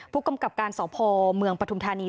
ผู้กำกับการสพเมืองปฐุมธานี